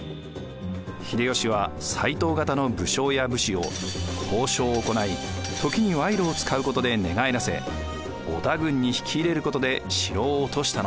秀吉は斎藤方の武将や武士を交渉を行い時に賄賂を使うことで寝返らせ織田軍に引き入れることで城を落としたのです。